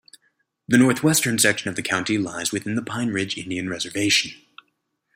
The northwestern section of the county lies within the Pine Ridge Indian Reservation.